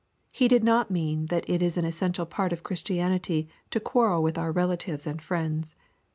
— He did not mean that it is an essential part of Christianity to quarrel with our relatives and friends.